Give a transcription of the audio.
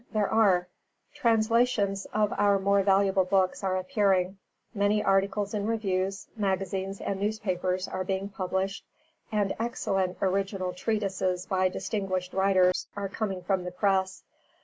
There are. Translations of our more valuable books are appearing, many articles in reviews, magazines and newspapers are being published, and excellent original treatises by distinguished writers are coming from the press.